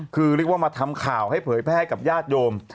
คือเรียกว่ามาทำข่าวให้เผยแพร่ให้กับญาติโยม